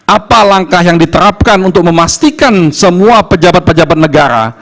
apa langkah yang diterapkan untuk memastikan semua pejabat pejabat negara